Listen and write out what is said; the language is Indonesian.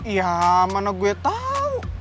ya mana gue tahu